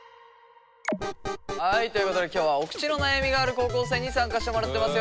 はいということで今日はおくちの悩みがある高校生に参加してもらってます